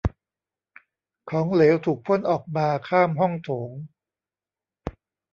ของเหลวถูกพ่นออกมาข้ามห้องโถง